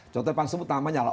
contoh yang tersebut namanya